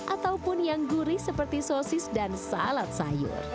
ataupun yang gurih seperti sosis dan salad sayur